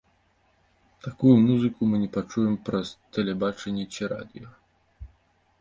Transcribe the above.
Такую музыку мы не пачуем праз тэлебачанне ці радыё.